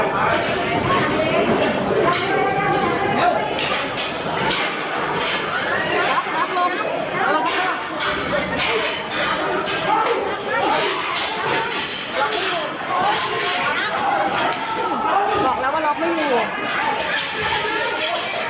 บอกแล้วว่ารอบไม่อยู่หรอ